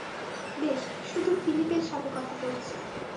বেশ, শুধু ফিলিপের সাথে কথা বলছি।